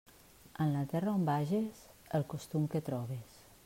En la terra on vages, el costum que trobes.